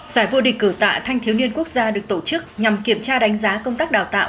giải vô địch cử tạ thanh thiếu niên quốc gia được tổ chức nhằm kiểm tra đánh giá công tác đào tạo